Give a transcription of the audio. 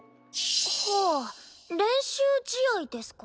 はあ練習試合ですか？